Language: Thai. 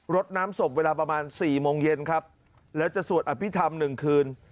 รถน้ำศพเวลาประมาณ๔โมงเย็นครับแล้วจะสวดอภิษฐรรม๑คืน